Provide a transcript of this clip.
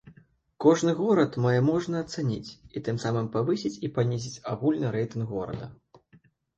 Кожны горад мае можна ацаніць і тым самым павысіць і панізіць агульны рэйтынг горада.